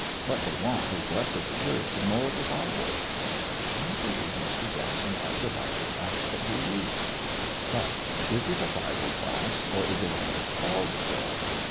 What they want is less of the church and more of the Bible." "I believe Mr. Jackson has a Bible class every week." "But is it a Bible class, or is it only called so?